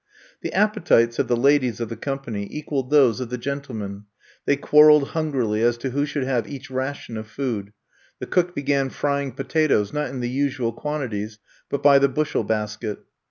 The appetites of the ladies of the com pany equaled those of the gentlemen. They quarreled hungrily as to who should have each ration of food. The cook began frying potatoes, not in the usual quantities, but by the bushel basket.